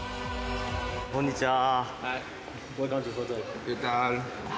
こんにちは。